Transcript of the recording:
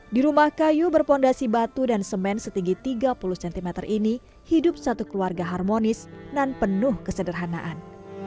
di rumah kayu berpondasi batu dan semen setinggi tiga puluh cm ini hidup satu keluarga harmonis dan penuh kesederhanaan